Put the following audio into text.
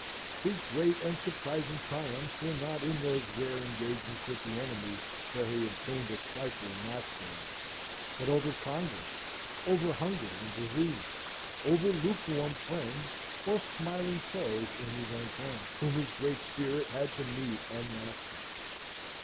His great and surprising triumphs were not in those rare engagements with the enemy where he obtained a trifling mastery; but over Congress; over hunger and disease; over lukewarm friends, or smiling foes in his own camp, whom his great spirit had to meet and master.